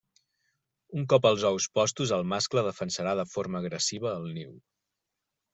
Un cop els ous postos el mascle defensarà de forma agressiva el niu.